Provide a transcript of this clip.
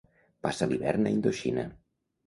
Passa l'hivern a Indoxina.